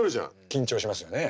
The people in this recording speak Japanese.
緊張しますよね。